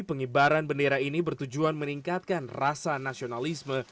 pengibaran bendera ini bertujuan meningkatkan rasa nasionalisme